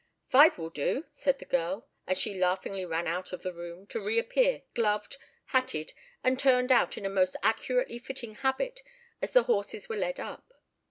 "Five will do," said the girl, as she laughingly ran out of the room, to reappear gloved, hatted, and turned out in a most accurately fitting habit as the horses were led up.